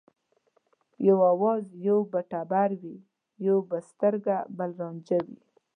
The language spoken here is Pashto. یو آواز یو به ټبر وي یو به سترګه بل رانجه وي